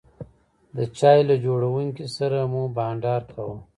د چای له جوړونکي سره مو بانډار کاوه.